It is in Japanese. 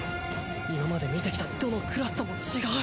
今まで見てきたどのクラスとも違う